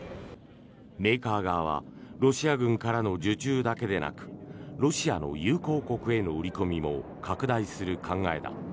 メーカー側はロシア軍からの受注だけでなくロシアの友好国への売り込みも拡大する考えだ。